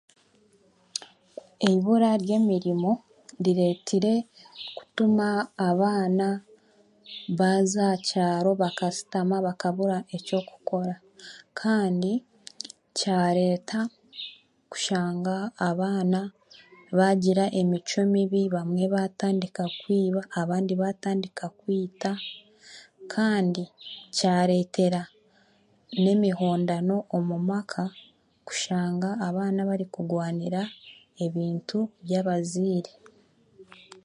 Eibura ry'emirimo rireetire kutuma abaana baaza aha kyaro bakashutama bakabura n'eky'okukora. Kandi kyareeta kushanga abaana baagira emicwe mibi abamwe baatandika kwiba abandi baatandika kwita. Kandi kyareetera n'emihondano omu maka kushanga abaana bakugwanira ebintu by'abazire.